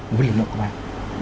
của lực lượng công an